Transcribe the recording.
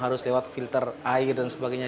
harus lewat filter air dan sebagainya